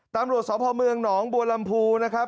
ตามรวจสอบภอมืองหนองบัวลำภูนะครับ